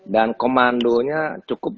dan komandonya cukup